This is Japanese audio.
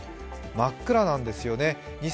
真っ暗なんですよね